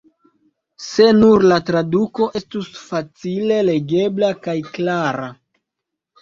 Se nur la traduko estus facile legebla kaj klara.